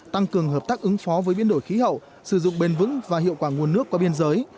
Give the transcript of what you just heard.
tăng cường hợp tác ứng phó với biến đổi khí hậu sử dụng bền vững và hiệu quả nguồn nước qua biên giới